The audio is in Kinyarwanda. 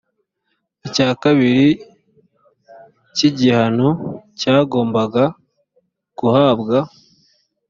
icya kabiri cy’igihano yagombaga guhabwa